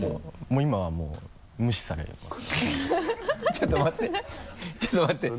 ちょっと待ってちょっと待って。